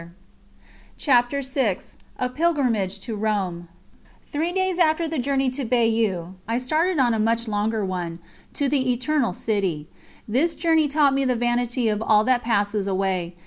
18:6. ______________________________ CHAPTER VI A PILGRIMAGE TO ROME Three days after the journey to Bayeux, I started on a much longer one to the Eternal City. This journey taught me the vanity of all that passes away.